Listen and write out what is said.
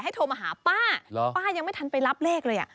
โทรมาหาป้าป้ายังไม่ทันไปรับเลขเลยอ่ะ